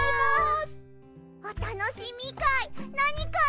おたのしみかいなにかな？